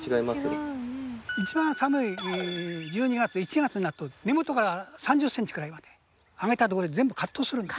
一番寒い１２月１月になると根元から３０センチぐらいまで上げたところで全部カットするんです。